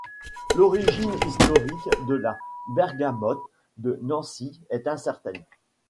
L'origine historique de la bergamote de Nancy est incertaine.